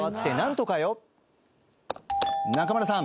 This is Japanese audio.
中村さん